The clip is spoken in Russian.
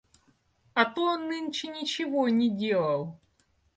А то он нынче ничего не делал.